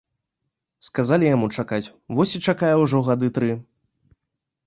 Сказалі яму чакаць, вось і чакае ўжо гады тры.